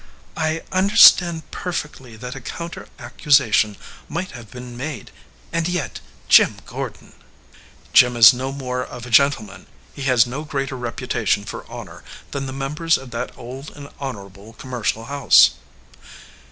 "I understand perfectly that a counter accusation might have been made; and yet, Jim Gordon " "Jim is no more of a gentleman, he has no greater reputation for honor, than the members of that old and honorable commercial house."